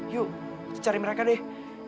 yuk cari mereka deh